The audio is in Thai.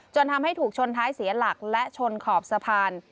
ทำให้ถูกชนท้ายเสียหลักและชนขอบสะพาน